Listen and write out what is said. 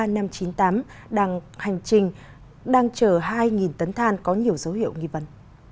đang hành trình đang chở hai tấn than có nhiều dấu hiệu nghi vấn